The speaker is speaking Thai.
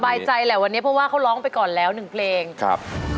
ใจแหละวันนี้เพราะว่าเขาร้องไปก่อนแล้วหนึ่งเพลงครับ